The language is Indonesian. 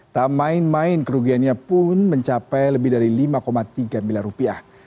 tak main main kerugiannya pun mencapai lebih dari lima tiga miliar rupiah